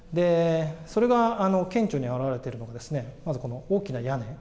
それが顕著に表れているのがまずこの大きな屋根。